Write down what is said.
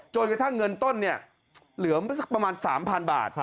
จนกระทั่งเงินต้นเนี่ยเหลือประมาณสามพันบาท